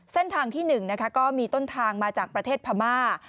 เส้นทางที่๑ก็มีต้นทางมาจากประเทศพม่า